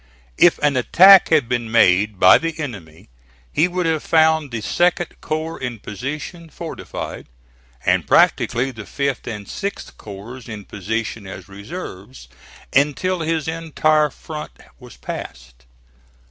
If an attack had been made by the enemy he would have found the 2d corps in position, fortified, and, practically, the 5th and 6th corps in position as reserves, until his entire front was passed.